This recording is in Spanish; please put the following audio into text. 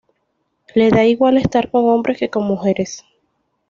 Le da igual estar con hombres que con mujeres.